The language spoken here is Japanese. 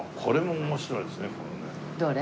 どれ？